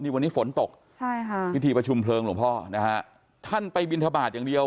วันนี้ฝนตกใช่ค่ะพิธีประชุมเพลิงหลวงพ่อนะฮะท่านไปบินทบาทอย่างเดียว